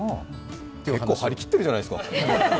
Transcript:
結構張り切ってるじゃないですか。